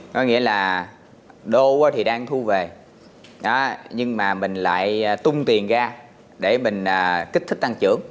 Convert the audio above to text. có nghĩa là đô thì đang thu về nhưng mà mình lại tung tiền ra để mình kích thích tăng trưởng